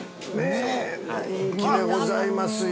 人気でございますよ。